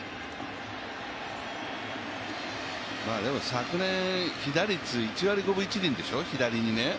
昨年、被打率１割５分１厘でしょ、左にね。